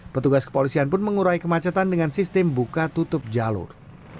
petugas kepolisian pun mengurai kemacetan dengan sistem buka tutup jalur